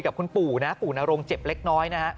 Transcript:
กับคุณปู่นะปู่นรงเจ็บเล็กน้อยนะฮะ